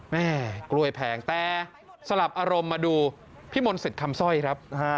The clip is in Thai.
แม่กล้วยแพงแต่สลับอารมณ์มาดูพี่มนต์สิทธิ์คำสร้อยครับ